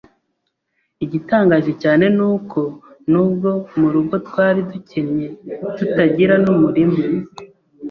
Igitangaje cyane ni uko nubwo mu rugo twari dukennye tutagira n’umurima